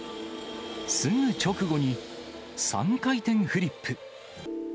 すぐ直後に、３回転フリップ。